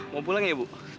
mau pulang ya bu